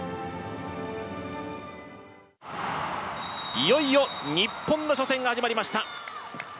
いよいよ日本の初戦が始まりました。